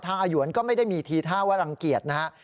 อาหยวนก็ไม่ได้มีทีท่าว่ารังเกียจนะฮะ